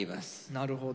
なるほど。